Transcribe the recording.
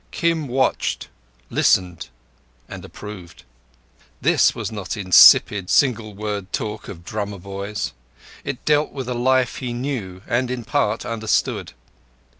Kim watched, listened, and approved. This was not insipid, single word talk of drummer boys. It dealt with a life he knew and in part understood.